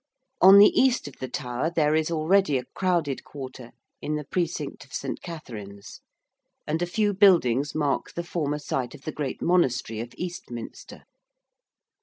On the east of the Tower there is already a crowded quarter in the Precinct of St. Katherine's: and a few buildings mark the former site of the great monastery of Eastminster.